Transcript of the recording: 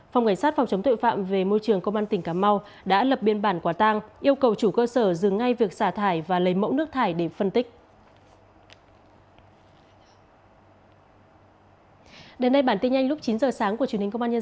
phòng cảnh sát phòng chống tội phạm về môi trường công an tỉnh cà mau đã lập biên bản quả tang yêu cầu chủ cơ sở dừng ngay việc xả thải và lấy mẫu nước thải để phân tích